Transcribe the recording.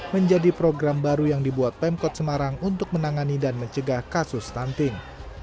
menjadi program baru yang dibuat pemkot semarang untuk menangani dan mencegah kasus stunting